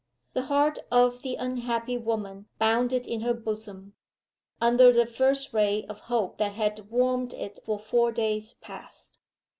The heart of the unhappy woman bounded in her bosom, under the first ray of hope that had warmed it for four days past.